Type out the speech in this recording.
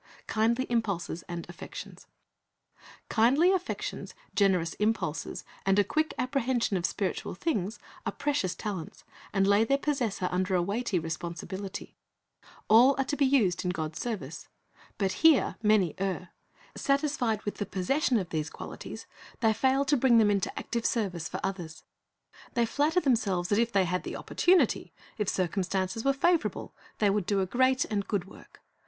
KINDLY IMPULSES AND AFFECTIONS Kindly affections, generous impulses, and a quick appre hension of spiritual things, are precious talents, and lay their possessor under a weighty responsibility. All are to be used in God's service. But here many err. Satisfied with the possession of these qualities, they fail to bring them into 'James 5: 1 4 2John6:i2 Talents 353 active service for others. They flatter themselves that if they had opportunity, if circumstances were favorable, they would do a great and good work.